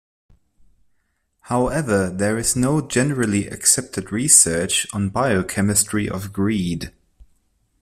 However, there is no generally accepted research on biochemistry of greed.